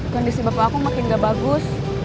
kondisi bapak aku makin gak bagus